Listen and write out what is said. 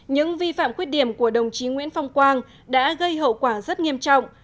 những vi phạm khuyết điểm của đồng chí nguyễn phong quang đã gây hậu quả rất nghiêm trọng